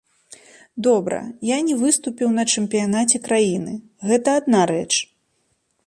Добра, я не выступіў на чэмпіянаце краіны, гэта адна рэч.